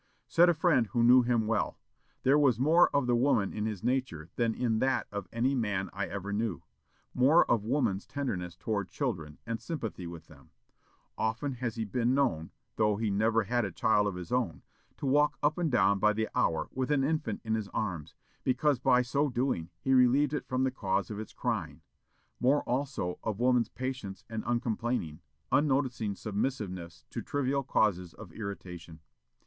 Said a friend who knew him well, "There was more of the woman in his nature than in that of any man I ever knew more of woman's tenderness toward children, and sympathy with them. Often has he been known, though he never had a child of his own, to walk up and down by the hour with an infant in his arms, because by so doing he relieved it from the cause of its crying; more also of woman's patience and uncomplaining, unnoticing submissiveness to trivial causes of irritation.